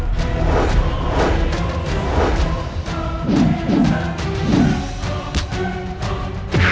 putra kukian santang